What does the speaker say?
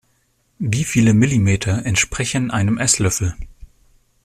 Wie viele Milliliter entsprechen einem Esslöffel?